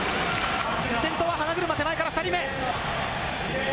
先頭から花車、手前から２人目。